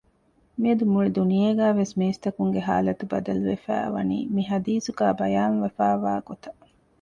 މިއަދު މުޅި ދުނިޔޭގައިވެސް މީސްތަކުންގެ ޙާލަތު ބަދަލުވެފައިވަނީ މި ޙަދީޘުގައި ބަޔާން ވެފައިވާ ގޮތަށް